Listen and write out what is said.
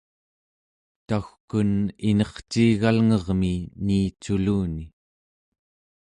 tau͡gken inerciigalngermi niiculuni